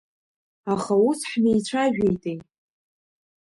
Аха ус ҳмеицәажәеитеи…